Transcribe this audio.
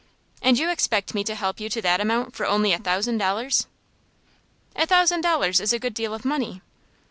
"And you expect me to help you to that amount for only a thousand dollars?" "A thousand dollars is a good deal of money."